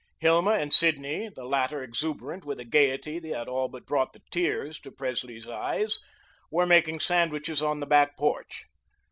Hilma and Sidney, the latter exuberant with a gayety that all but brought the tears to Presley's eyes, were making sandwiches on the back porch.